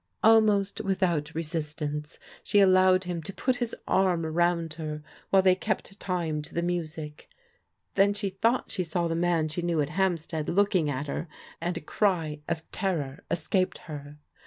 Almost without resistance she allowed him to put his arm roimd her while they kept time to the music Then she thought she saw the man she knew at Hampstead looking at her, and a cry of terror escaped her.